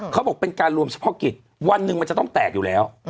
เขาบอกเป็นการรวมเฉพาะกิจวันหนึ่งมันจะต้องแตกอยู่แล้ว